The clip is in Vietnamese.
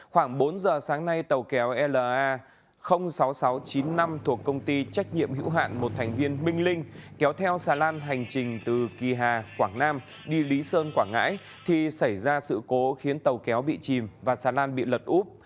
khoảng bốn giờ sáng nay tàu kéo la sáu nghìn sáu trăm chín mươi năm thuộc công ty trách nhiệm hữu hạn một thành viên minh linh kéo theo xà lan hành trình từ kỳ hà quảng nam đi lý sơn quảng ngãi thì xảy ra sự cố khiến tàu kéo bị chìm và xà lan bị lật úp